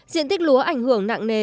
diện tích lúa ảnh hưởng nặng nề